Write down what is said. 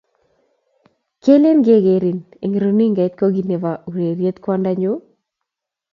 Kelen kegerin eng runigait ko kiy ne bo urerie kwangdonyu.